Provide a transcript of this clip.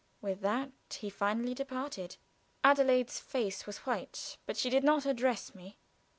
With that he finally departed. Adelaide's face was white, but she did not address me.